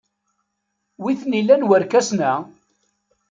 Wi t-nilan warkasen-a?